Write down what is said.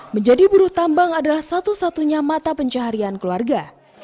menjadi buru tambang adalah satu satunya mata pencaharian keluarga